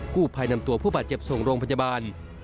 กู้ภายนำตัวผู้ปัดเจ็บทรงโรงพันธบาล